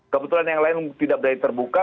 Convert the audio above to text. kebetulan yang lain tidak berani terbuka